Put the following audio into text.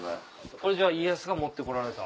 これじゃあ家康が持って来られた？